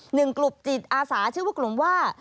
หนึ่งกลุ่มจิตอาสาชื่อว่ากลุ่มว่า